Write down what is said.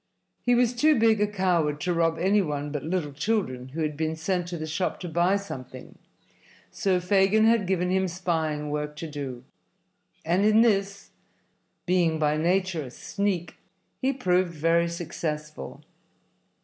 He was too big a coward to rob any one but little children who had been sent to the shop to buy something, so Fagin had given him spying work to do, and in this, being by nature a sneak, he proved very successful.